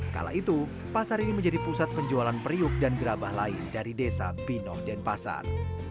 kala itu pasar ini menjadi pusat penjualan periuk dan gerabah lain dari desa pinoh denpasar